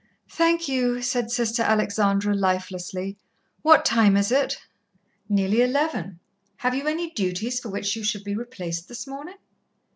"Thank you," said Sister Alexandra lifelessly. "What time is it?" "Nearly eleven. Have you any duties for which you should be replaced this morning?"